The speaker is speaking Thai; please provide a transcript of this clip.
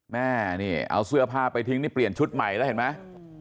แม่นี่เอาเสื้อผ้าไปทิ้งนี่เปลี่ยนชุดใหม่แล้วเห็นไหม